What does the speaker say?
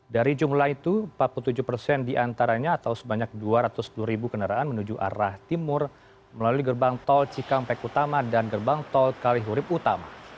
dari jumlah itu empat puluh tujuh persen diantaranya atau sebanyak dua ratus dua ribu kendaraan menuju arah timur melalui gerbang tol cikampek utama dan gerbang tol kalihurip utama